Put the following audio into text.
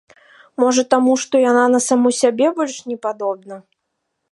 Можа таму, што яна на саму сябе больш не падобна?